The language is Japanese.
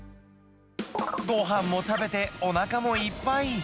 ごはんも食べて、おなかもいっぱい。